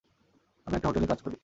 আমি একটা হোটেলে কাজ করি।